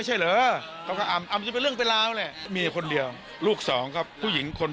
หมายถึงว่าทะเบียนก็ทะเบียน